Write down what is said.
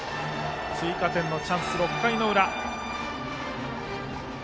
追加点のチャンス、６回裏。